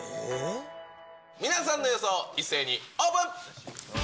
皆さんの予想、一斉にオープン。